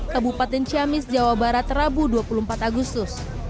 kabupaten ciamis jawa barat rabu dua puluh empat agustus